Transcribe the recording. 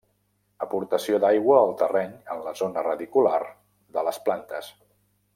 Aportació d'aigua al terreny en la zona radicular de les plantes.